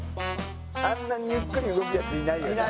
あんなにゆっくり動くやついないよね。